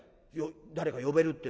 誰か呼べるって。